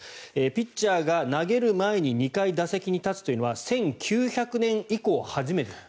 ピッチャーが投げる前に２回打席に立つというのは１９００年以降初めて。